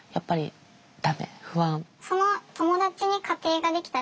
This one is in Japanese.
不安？